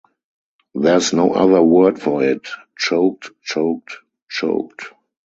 There's no other word for it - choked, choked, choked.